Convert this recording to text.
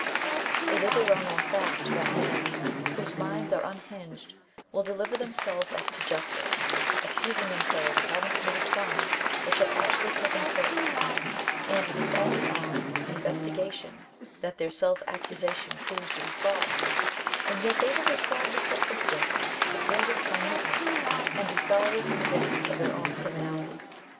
It is a well known fact that men, whose minds are unhinged, will deliver themselves up to justice, accusing themselves of having committed crimes which have actually taken place, and it is only on inves tigation that their self accusation proves to be Mse; and yet they will describe the circumstances with the greatest minuteness, and be thoroughly convinced of their own criminality.